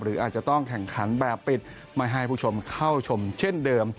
อาจจะต้องแข่งขันแบบปิดไม่ให้ผู้ชมเข้าชมเช่นเดิม